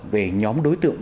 về nhóm đối tượng